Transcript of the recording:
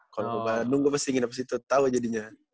kalau di bandung gue pasti nginep di situ tau jadinya